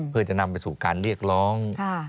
เพื่อจะนำไปสู่การเรียกร้อง